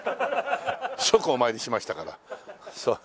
即お参りしましたから。